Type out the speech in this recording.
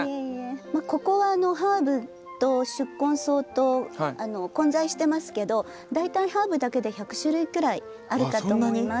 ここはハーブと宿根草と混在してますけど大体ハーブだけで１００種類くらいあるかと思います。